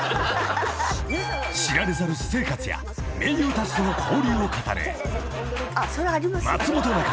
［知られざる私生活や名優たちとの交流を語る］